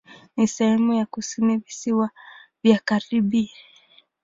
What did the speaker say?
Ni sehemu ya kusini Visiwa vya Karibi.